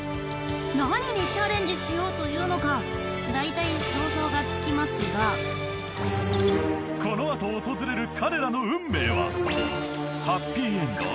何にチャレンジしようというのかだいたい想像がつきますがこのあと訪れる彼らの運命はハッピーエンド？